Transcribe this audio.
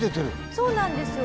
そうなんですよ。